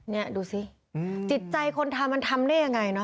นี่ดูสิจิตใจคนทำมันทำได้ยังไงเนอ